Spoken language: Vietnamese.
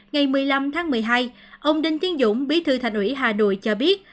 ngày một mươi năm tháng một mươi hai ông đinh tiến dũng bí thư thành ủy hà nội cho biết